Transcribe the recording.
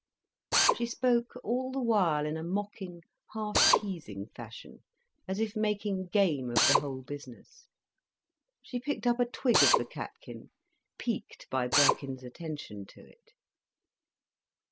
She spoke all the while in a mocking, half teasing fashion, as if making game of the whole business. She picked up a twig of the catkin, piqued by Birkin's attention to it.